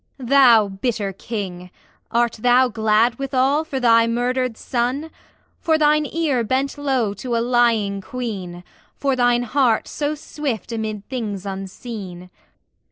Thou bitter King, art thou glad withal For thy murdered son? For thine ear bent low to a lying Queen, For thine heart so swift amid things unseen?